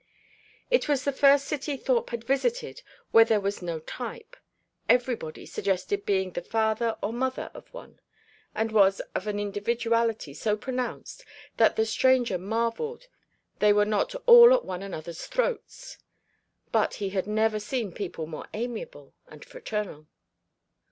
It was the first city Thorpe had visited where there was no type: everybody suggested being the father or mother of one, and was of an individuality so pronounced that the stranger marvelled they were not all at one another's throats. But he had never seen people more amiable and fraternal.